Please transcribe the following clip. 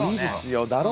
「だろうね」